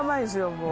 もう。